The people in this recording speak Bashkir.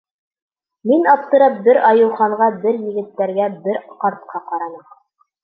Мин, аптырап, бер Айыуханға, бер егеттәргә, бер ҡартҡа ҡараным.